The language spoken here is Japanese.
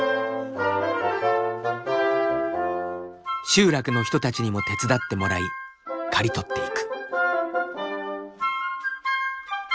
集落の人たちにも手伝ってもらい刈り取っていく。